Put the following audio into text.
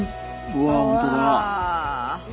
うわ！